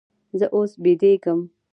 زه اوس بېدېږم.